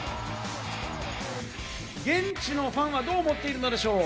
現地のファンはどう思っているんでしょう？